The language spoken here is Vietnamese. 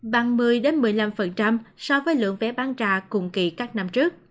bằng một mươi một mươi năm so với lượng vé bán trà cùng kỳ các năm trước